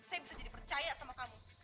saya bisa jadi percaya sama kamu